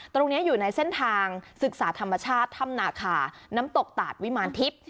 ตรงนี้อยู่ในเส้นทางศึกษาธรรมชาติถ้ำนาคาน้ำตกตาดวิมารทิพย์